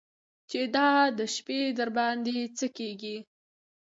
چې دا د شپې درباندې څه کېږي.